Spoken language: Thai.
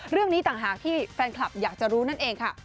เรื่องนี้ต่างหากที่แฟนคลับอยากจะรู้นั่นเองค่ะ